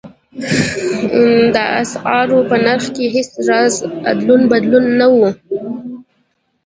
د اسعارو په نرخ کې هېڅ راز ادلون بدلون نه و.